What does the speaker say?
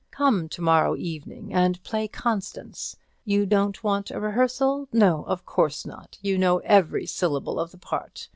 Come to morrow evening and play Constance. You don't want a rehearsal? no, of course not; you know every syllable of the part.